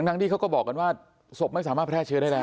ที่เขาก็บอกกันว่าศพไม่สามารถแพร่เชื้อได้แล้ว